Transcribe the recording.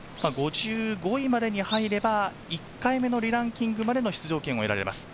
５５位までに入れば、１回目のリランキングまでの出場権が得られます。